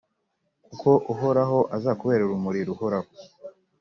kuko uhoraho azakubera urumuri ruhoraho,